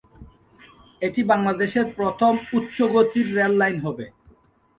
এটি বাংলাদেশের প্রথম উচ্চগতির রেল লাইন হবে।